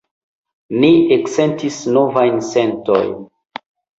Ni eksentis novajn sentojn.